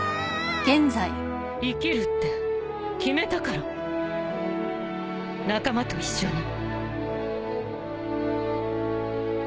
生きるって決めたから仲間と一緒に。